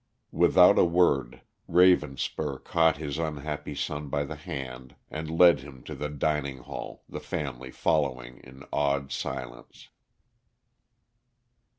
Without a word Ravenspur caught his unhappy son by the hand and led him to the dining hall, the family following in awed silence.